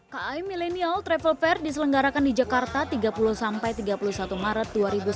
kai milenial travel fair diselenggarakan di jakarta tiga puluh sampai tiga puluh satu maret dua ribu sembilan belas